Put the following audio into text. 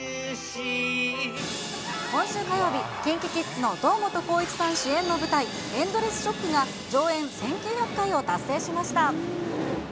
今週火曜日、ＫｉｎｋｉＫｉｄｓの堂本光一さん主演の舞台、ＥｎｄｌｅｓｓＳＨＯＣＫが上演１９００回を達成しました。